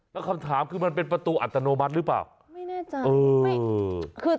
สถามคือมันเป็นประตูอัตโนมัติรึเขาใดกันล่ะ